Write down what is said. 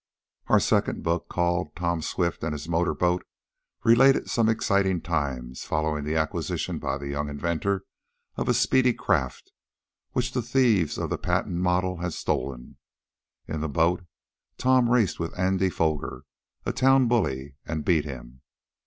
Our second book, called "Tom Swift and His Motor Boat," related some exciting times following the acquisition by the young inventor of a speedy craft which the thieves of the patent model had stolen. In the boat Tom raced with Andy Foger, a town bully, and beat him.